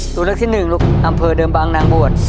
ตัวเลือกที่หนึ่งลูกอำเภอเดิมบางนางบวช